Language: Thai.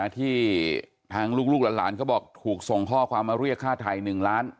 ที่ทางลูกหลานเขาบอกถูกส่งข้อความมาเรียกค่าไทย๑ล้าน